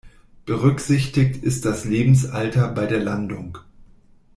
Berücksichtigt ist das Lebensalter bei der Landung.